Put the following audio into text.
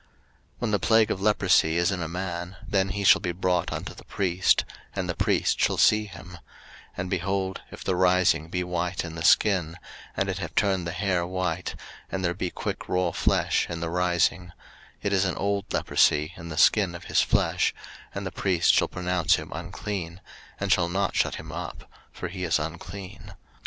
03:013:009 When the plague of leprosy is in a man, then he shall be brought unto the priest; 03:013:010 And the priest shall see him: and, behold, if the rising be white in the skin, and it have turned the hair white, and there be quick raw flesh in the rising; 03:013:011 It is an old leprosy in the skin of his flesh, and the priest shall pronounce him unclean, and shall not shut him up: for he is unclean.